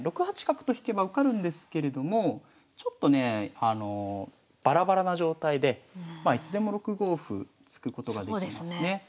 ６八角と引けば受かるんですけれどもちょっとねえバラバラな状態でいつでも６五歩突くことができますね。